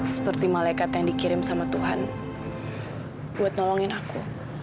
seperti malaikat yang dikirim sama tuhan buat nolongin aku